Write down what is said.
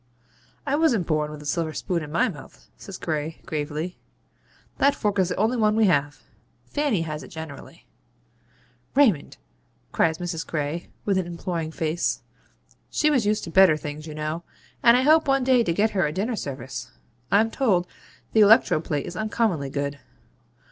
'I wasn't born with a silver spoon in my mouth,' says Gray, gravely. 'That fork is the only one we have. Fanny has it generally.' 'Raymond!' cries Mrs. Gray, with an imploring face. 'She was used to better things, you know: and I hope one day to get her a dinner service. I'm told the electro plate is uncommonly good.